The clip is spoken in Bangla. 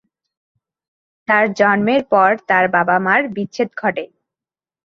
তার জন্মের পর তার বাবা-মার বিচ্ছেদ ঘটে।